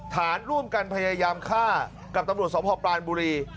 ฐานร่วมกันพยายามฆ่ากับตำรวจสมภาพปรานบุรี